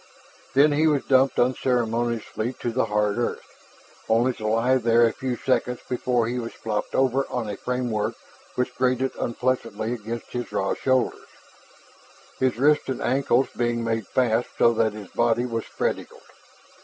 Then he was dumped unceremoniously to the hard earth, only to lie there a few seconds before he was flopped over on a framework which grated unpleasantly against his raw shoulders, his wrists and ankles being made fast so that his body was spread eagled.